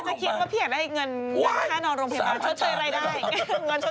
พ่อจะคิดว่าพี่อยากได้เงินข้านอนลงพยาบาล